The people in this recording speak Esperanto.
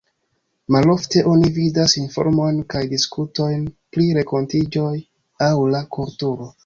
Malofte oni vidas informojn kaj diskutojn pri renkontiĝoj aŭ la kulturo.